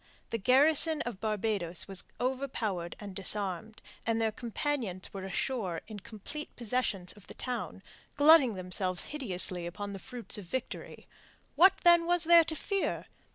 The garrison of Barbados was overpowered and disarmed, and their companions were ashore in complete possession of the town, glutting themselves hideously upon the fruits of victory. What, then, was there to fear?